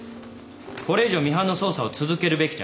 これ以上ミハンの捜査を続けるべきじゃない。